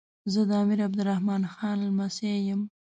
زه د امیر عبدالرحمان لمسی یم.